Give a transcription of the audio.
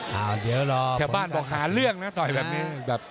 เท่าบ้านบอกหาเรื่องนะต่อยแบบนี้